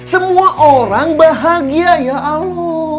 semua orang bahagia ya allah